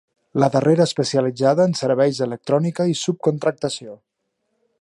La darrera especialitzada en serveis d'electrònica i subcontractació.